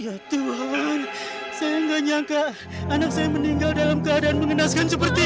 ya tuhan saya nggak nyangka anak saya meninggal dalam keadaan mengenaskan seperti